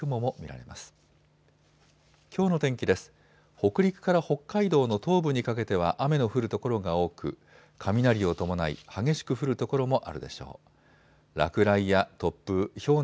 北陸から北海道の東部にかけては雨の降る所が多く雷を伴い激しく降る所もあるでしょう。